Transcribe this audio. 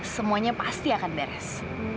semuanya pasti akan beres